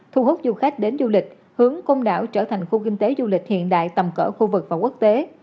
thu hút du khách đến du lịch hướng côn đảo trở thành khu kinh tế du lịch hiện đại tầm cỡ khu vực và quốc tế